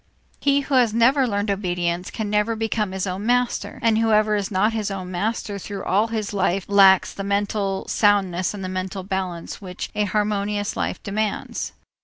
He who has never learned obedience can never become his own master, and whoever is not his own master through all his life lacks the mental soundness and mental balance which a harmonious life demands.